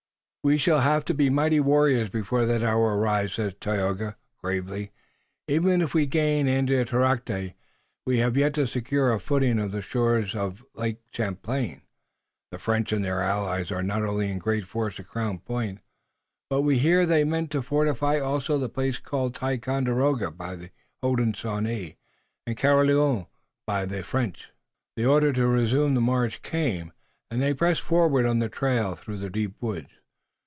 "We shall have to be mighty warriors before that hour arrives," said Tayoga, gravely. "Even if we gain Andiatarocte we have yet to secure a footing on the shores of Oneadatote. The French and their allies are not only in great force at Crown Point, but we hear that they mean to fortify also at the place called Ticonderoga by the Hodenosaunee and Carillon by the French." The order to resume the march came, and they pressed forward on the trail through the deep woods.